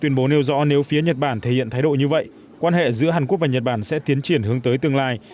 tuyên bố nêu rõ nếu phía nhật bản thể hiện thái độ như vậy quan hệ giữa hàn quốc và nhật bản sẽ tiến triển hướng tới tương lai